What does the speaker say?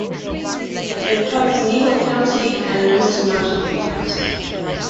It covers Kneehill County and most of Mountain View County.